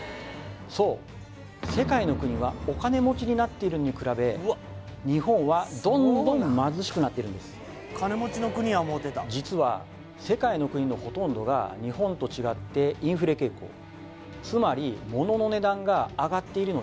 そう世界の国はお金持ちになっているのに比べ日本はどんどん貧しくなっているんです実は世界の国のほとんどが日本と違ってインフレ傾向